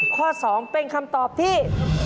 ข้อ๒เป็นคำตอบที่